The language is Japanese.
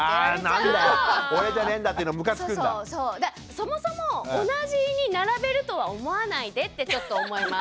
そもそも同じに並べるとは思わないでってちょっと思います。